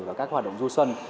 và các hoạt động du xuân